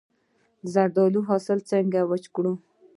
د زردالو حاصل څنګه وچ کړم؟